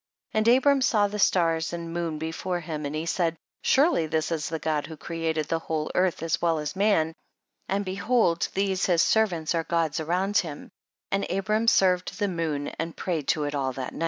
1 7. And Abram saw the stars and moon before him, and he said, surely this is the God who created the whole earth as Avell as man, and behold these his servants are gods around him ; and Abram served the moon and prayed to it all that night.